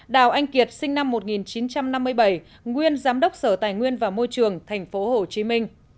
đào anh kiệt sinh năm một nghìn chín trăm năm mươi bảy nguyên giám đốc sở tài nguyên và môi trường tp hcm